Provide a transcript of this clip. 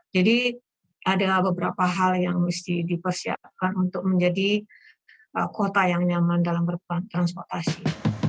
jadi ada beberapa hal yang mesti dipersiapkan untuk menjadi kota yang nyaman dalam transportasi